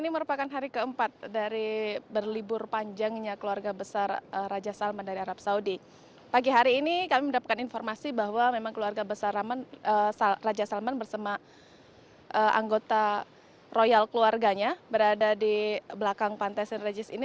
memang keluarga besar raja salman bersama anggota royal keluarganya berada di belakang pantai st regis ini